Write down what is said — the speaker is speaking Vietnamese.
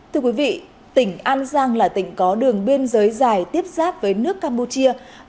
thưa quý vị tỉnh an giang là tỉnh có đường biên giới dài tiếp giáp với nước campuchia và cũng là địa bàn mà các đối tượng